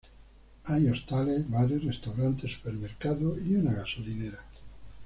Hay hostales, bares, restaurantes, supermercado y una gasolinera.